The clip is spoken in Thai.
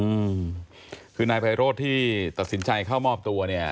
อืมคือนายไพโรธที่ตัดสินใจเข้ามอบตัวเนี่ย